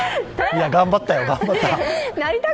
頑張ったよ、頑張った。